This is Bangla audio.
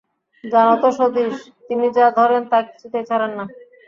জান তো সতীশ, তিনি যা ধরেন তা কিছুতেই ছাড়েন না।